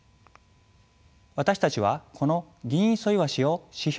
私たちはこのギンイソイワシを指標